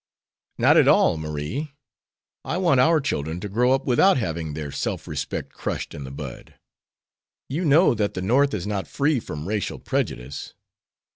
'" "Not at all, Marie. I want our children to grow up without having their self respect crushed in the bud. You know that the North is not free from racial prejudice."